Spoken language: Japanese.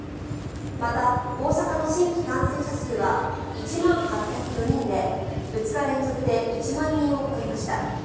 また、大阪の新規感染者数は１万８０４人で２日連続で１万人を超えました。